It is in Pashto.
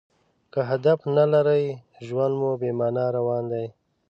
که هدف نه لرى؛ ژوند مو بې مانا روان دئ.